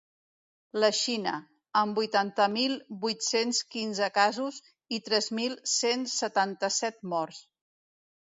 La Xina, amb vuitanta mil vuit-cents quinze casos i tres mil cent setanta-set morts.